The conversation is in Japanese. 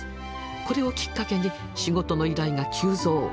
これをきっかけに仕事の依頼が急増。